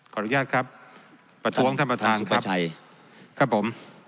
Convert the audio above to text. ขออนุญาตครับประท้วงท่านประธานสุภาชัยครับผม